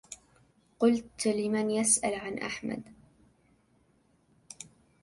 قلت لمن يسأل عن أحمد